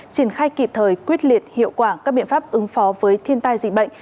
triển khai kịp thời quyết liệt hiệu quả các biện pháp ứng phó với thiên tai dịch bệnh